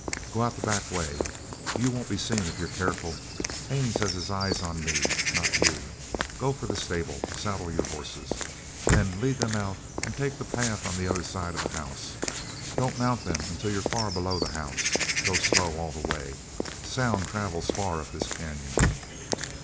"Go out the back way. You won't be seen if you're careful. Haines has his eyes on me, not you. Go for the stable. Saddle your horses. Then lead them out and take the path on the other side of the house. Don't mount them until you're far below the house. Go slow all the way. Sounds travel far up this canyon."